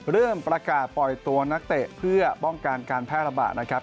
เริ่มประกาศปล่อยตัวนักเตะเพื่อป้องกันการแพร่ระบาดนะครับ